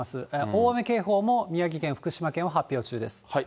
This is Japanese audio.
大雨警報も、宮城県、福島県は発表中です。